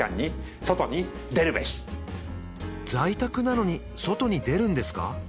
在宅なのに外に出るんですか？